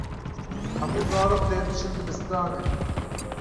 Hemû zarok dê biçin dibistanê.